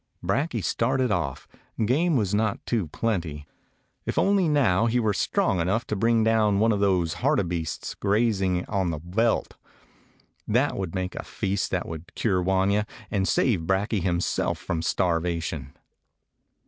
Brakje started off. Game was not too plenty. If only now he were strong enough to bring down one of those hartebeests, grazing out on the veldt. That would make a feast that would cure Wanya, and save Brakje him self from starvation.